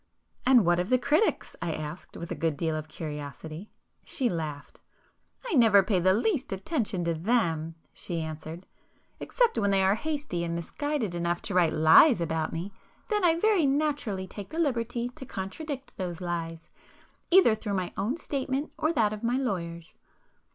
"And what of the critics?" I asked, with a good deal of curiosity. She laughed. "I never pay the least attention to them," she answered, "except when they are hasty and misguided enough to write lies about me,—then I very naturally take the liberty to contradict those lies, either through my own statement or that of my lawyers.